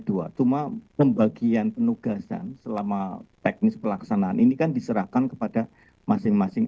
dua cuma pembagian penugasan selama teknis pelaksanaan ini kan diserahkan kepada masing masing